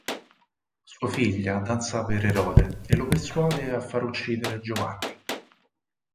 Sua figlia danza per Erode e lo persuade a far uccidere Giovanni.